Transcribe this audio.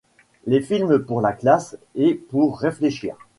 Les films pour la classe et pour réfléchir.